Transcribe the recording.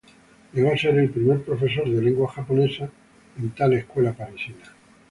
Llegó a ser el primer profesor de lengua japonesa en tal escuela parisina.